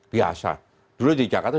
biasa dulu di jakarta